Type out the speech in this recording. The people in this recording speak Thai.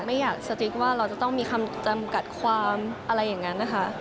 ไม่อยากสติ๊กว่าเราจะต้องมีคำจำกัดความอะไรอย่างนั้นนะคะ